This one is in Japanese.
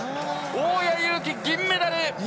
大矢勇気、銀メダル！